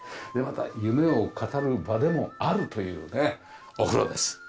でまた夢を語る場でもあるというねお風呂です。